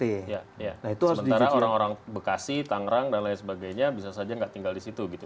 sementara orang orang bekasi tangerang dan lain sebagainya bisa saja nggak tinggal di situ gitu